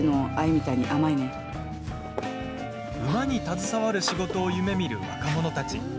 馬に携わる仕事を夢みる若者たち。